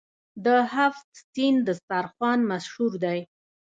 د هفت سین دسترخان مشهور دی.